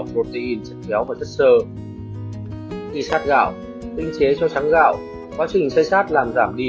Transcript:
protein chất béo và chất xơ kỳ sát gạo tinh chế cho trắng gạo quá trình xây sát làm giảm đi